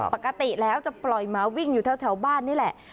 ปกติแล้วจะปล่อยหมาวิ่งอยู่แถวบ้านนี่แหละ